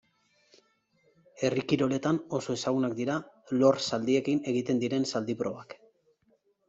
Herri kiroletan oso ezagunak dira lor-zaldiekin egiten diren zaldi probak.